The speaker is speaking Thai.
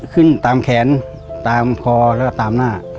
ขึ้นตามแขนตามคอแล้วก็ตามหน้า